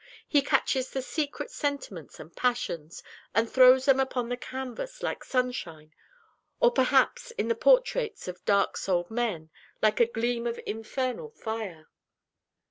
He catches the secret sentiments and passions, and throws them upon the canvas, like sunshine or perhaps, in the portraits of dark souled men, like a gleam of infernal fire.